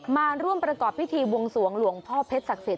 มาร่วมประกอบพิธีบวงสวงหลวงพ่อเพชรศักดิ์สิท